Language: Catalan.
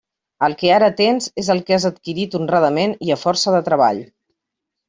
El que ara tens és el que has adquirit honradament i a força de treball.